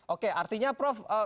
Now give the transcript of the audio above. oke artinya prof